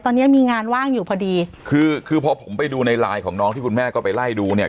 ตอนนี้มีงานว่างอยู่พอดีคือคือพอผมไปดูในไลน์ของน้องที่คุณแม่ก็ไปไล่ดูเนี่ย